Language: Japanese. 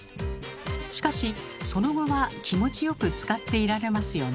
しかしその後は気持ちよくつかっていられますよね。